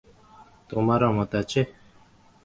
তোমার অমত আছে?